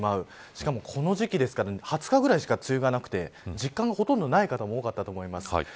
しかもこの時期ですから２０日ぐらいしか梅雨がなくて実感がほとんどない方も多かったと思います。